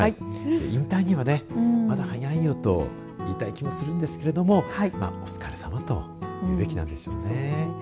引退にはまだ早いよと言いたい気もするんですけどもお疲れさまと言うべきなんでしょうね。